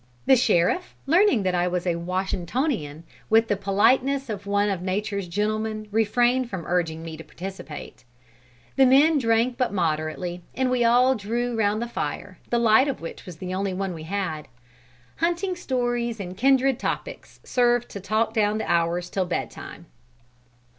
The sheriff learning that I was a Washingtonian, with the politeness of one of nature's gentlemen refrained from urging me to participate. The men drank but moderately; and we all drew around the fire, the light of which was the only one we had. Hunting stories and kindred topics served to talk down the hours till bed time.